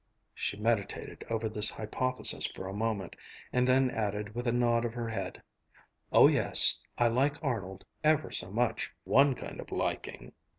She meditated over this hypothesis for a moment and then added with a nod of her head, "Oh yes, I like Arnold ever so much ... one kind of 'liking.'"